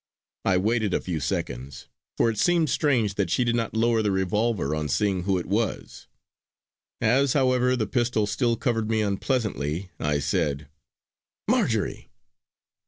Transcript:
I waited a few seconds, for it seemed strange that she did not lower the revolver on seeing who it was. As, however, the pistol still covered me unpleasantly, I said: "Marjory!"